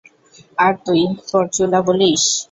আর তুই পরচুলা বলিস।